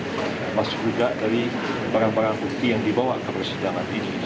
termasuk juga dari barang barang bukti yang dibawa ke persidangan ini